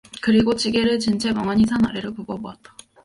그리고 지게를 진 채 멍하니 산 아래를 굽어 보았다.